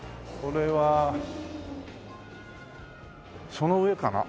その上かな？